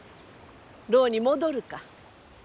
牢に戻るか？